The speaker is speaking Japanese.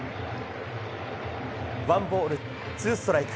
ワンボールツーストライク。